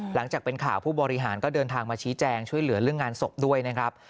หลังจากเป็นข่าวผู้บริหารก็เดินทางมาชี้แจงช่วยเหลือเรื่องงานศพด้วยนะครับ